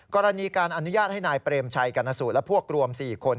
กรณีการอนุญาตให้นายเปรมชัยกรณสูตรและพวกรวม๔คน